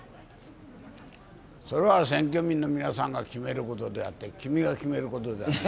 それは選挙民の皆さんが決めることであって君が決めることではない。